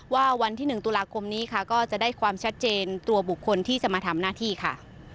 วันที่๑ตุลาคมนี้ค่ะก็จะได้ความชัดเจนตัวบุคคลที่จะมาทำหน้าที่ค่ะ